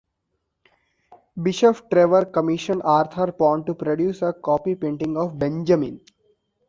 Bishop Trevor commissioned Arthur Pond to produce a copy painting of "Benjamin".